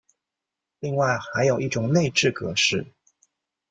另外还有一种内置格式。